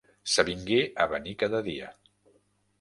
S'avingué a venir cada dia.